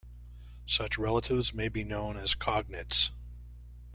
Such relatives may be known as cognates.